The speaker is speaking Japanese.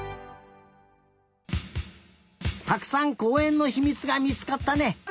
たくさんこうえんのひみつがみつかったね。